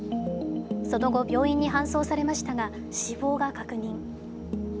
その後、病院に搬送されましたが死亡が確認。